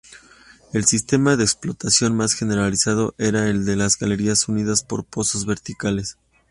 El sistema de explotación más generalizado era el de galerías unidas por pozos verticales.